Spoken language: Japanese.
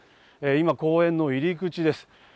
今、公園の入り口です。